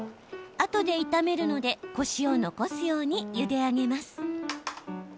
あとで炒めるのでコシを残すようにゆで上げます。